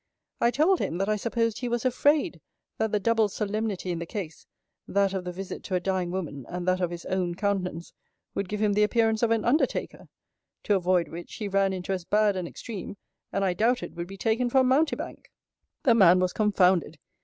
I told him, that I supposed he was afraid, that the double solemnity in the case (that of the visit to a dying woman, and that of his own countenance) would give him the appearance of an undertaker; to avoid which, he ran into as bad an extreme, and I doubted would be taken for a mountebank. The man was confounded.